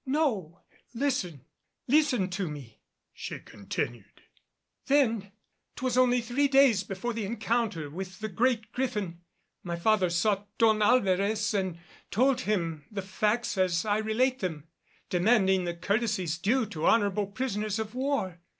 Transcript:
"No, listen! Listen to me," she continued. "Then 'twas only three days before the encounter with the Great Griffin my father sought Don Alvarez and told him the facts as I relate them, demanding the courtesies due to honorable prisoners of war.